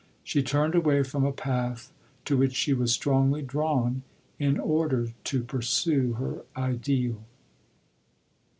She turned away from a path to which she was strongly drawn in order to pursue her Ideal.